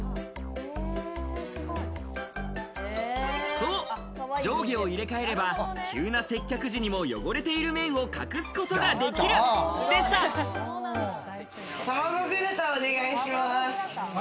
そう、上下を入れ替えれば、急な接客時にも汚れている面を隠卵グラタン、お願いします。